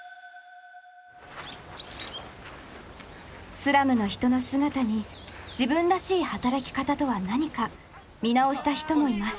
スラムの人の姿に自分らしい働き方とは何か見直した人もいます。